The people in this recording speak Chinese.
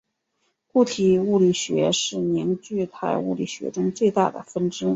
固体物理学是凝聚态物理学中最大的分支。